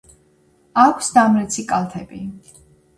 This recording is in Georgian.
აქვს დამრეცი კალთები.